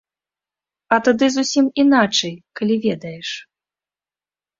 А тады зусім іначай, калі ведаеш.